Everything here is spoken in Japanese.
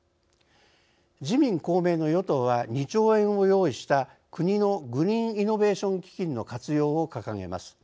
自民・公明の与党は２兆円を用意した国の「グリーンイノベーション基金」の活用を掲げます。